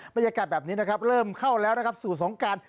บรรยากาศแบบนี้นะครับเริ่มเข้าแล้วนะครับสู่สงการ